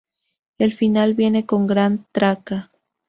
El final viene con una gran traca.